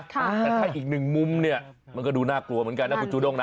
แต่ถ้าอีกหนึ่งมุมเนี่ยมันก็ดูน่ากลัวเหมือนกันนะคุณจูด้งนะ